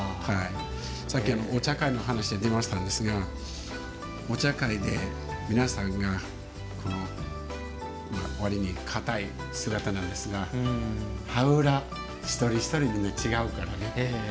さっき、お茶会の話が出ましたがお茶会で、皆さんがわりに硬い姿なんですが羽裏、一人一人で違うからね。